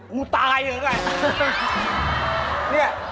กูตายเลยไง